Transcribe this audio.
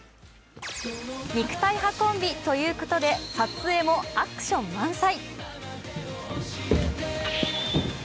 肉体派コンビということで撮影もアクション満載。